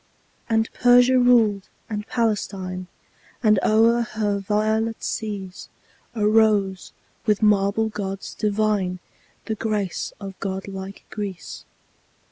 And Persia ruled and Palestine; And o'er her violet seas Arose, with marble gods divine, The grace of god like Greece.